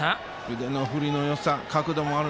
腕の振りのよさ角度もある。